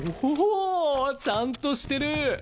おおちゃんとしてる。